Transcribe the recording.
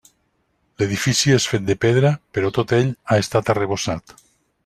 L'edifici és fet de pedra però tot ell ha estat arrebossat.